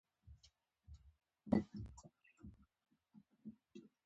وخت ناوخت به مخالفین راوتل.